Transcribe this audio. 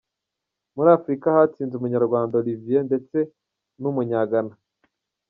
Muri Afurika hatsinze Umunyarwanda Olivier ndetse n’ Umunya-Ghana.